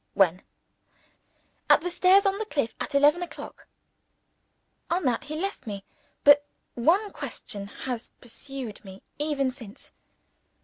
"When?" "At the stairs on the cliff, at eleven o'clock." On that, he left me. But one question has pursued me ever since.